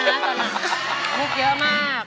ตอนนั้นลูกเยอะมาก